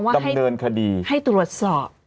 ใช้คำว่าให้ตรวจสอบ